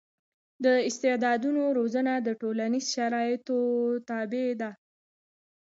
د استعدادونو روزنه د ټولنیزو شرایطو تابع ده.